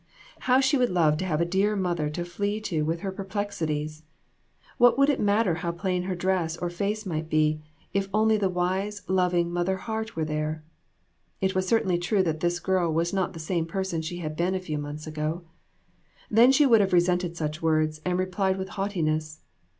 How she would love to have a dear mother to flee to with her perplexities ! What would it matter how plain her dress or face might be, if only the wise, loving mother heart were there ? It was certainly true that this girl was not the same person she had been a few months ago. Then she would have resented such words, and replied with haughtiness.